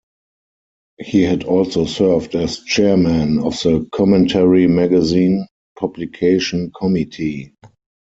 He had also served as chairman of the "Commentary Magazine" publication committee.